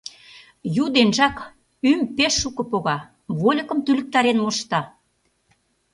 Ю денжак ӱйым пеш шуко пога, вольыкым тӱлыктарен мошта...